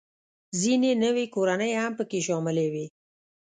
ځینې نوې کورنۍ هم پکې شاملې وې